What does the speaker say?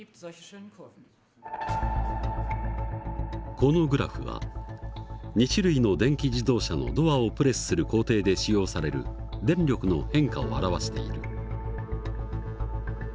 このグラフは２種類の電気自動車のドアをプレスする工程で使用される電力の変化を表している。